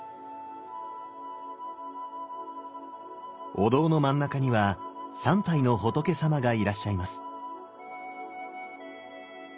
お堂の真ん中には３体の仏さまがいらっしゃいます。